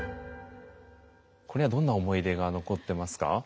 これはどんな思い出が残ってますか？